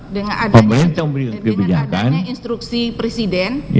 dengan adanya instruksi presiden